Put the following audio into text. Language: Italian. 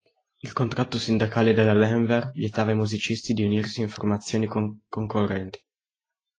Il contratto sindacale della Denver vietava ai musicisti di unirsi in formazioni concorrenti.